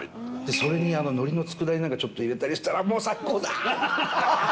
それにのりのつくだ煮なんか入れたりしたら、もう最高だー！